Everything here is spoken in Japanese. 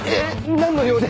何の用で？